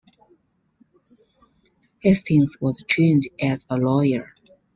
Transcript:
Hastings was trained as a lawyer.